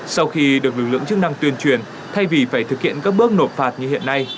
sau khi được lực lượng chức năng tuyên truyền thay vì phải thực hiện các bước nộp phạt như hiện nay